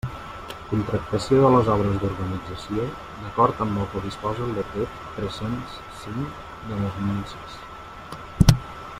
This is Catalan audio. Contractació de les obres d'urbanització d'acord amb el que disposa el Decret tres-cents cinc de dos mil sis.